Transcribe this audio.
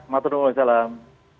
maturung wa salam